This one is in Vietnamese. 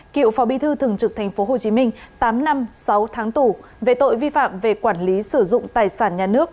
kiệu phò bi thư thường trực tp hcm tám năm sáu tháng tù về tội vi phạm về quản lý sử dụng tài sản nhà nước